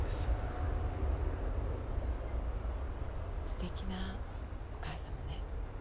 すてきなお母さまね。